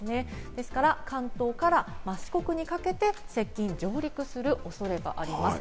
ですから関東から四国にかけて接近、上陸するおそれがあります。